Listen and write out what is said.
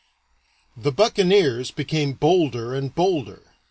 The buccaneers became bolder and bolder.